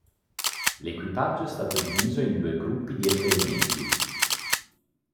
L'equipaggio è stato diviso in due gruppi di esperimenti.